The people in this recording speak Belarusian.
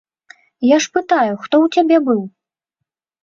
Я ж пытаю, хто ў цябе быў?